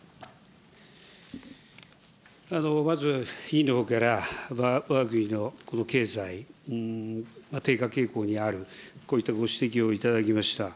まず委員のほうから、わが国の経済、低下傾向にある、こういったご指摘をいただきました。